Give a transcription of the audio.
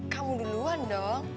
kamu duluan dong